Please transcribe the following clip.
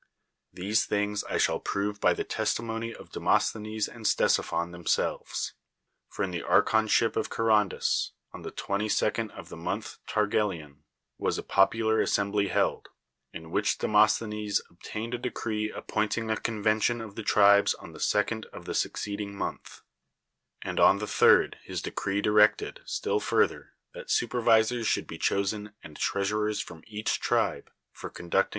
These things I shall prove by the testimony of Demosthenes and Ctesiphon themselves ; for in the archonship of Chterondas, on the 22d of the month Thargelion, was a ])opu]ar assembly held, in which Demosthenes obtained a decree appointing a convention of the tribes on the 2d of the succeeding month; 196 ^SCHINES and on the 3d liis decree directed, still further, that supervisors should be chosen and treasurers from each tribe, for conducting?